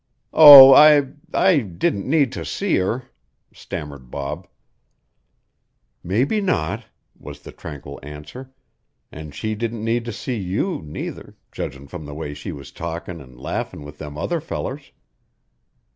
"Oh, I I didn't need to see her," stammered Bob. "Mebbe not," was the tranquil answer. "An' she didn't need to see you, neither, judgin' from the way she was talkin' an' laughin' with them other fellers.